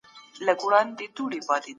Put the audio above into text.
دولت بايد د علمي مرکزونو ملاتړ وکړي.